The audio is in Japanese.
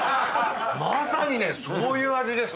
まさにねそういう味です